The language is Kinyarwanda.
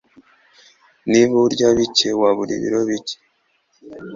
Niba urya bike, wabura ibiro bike.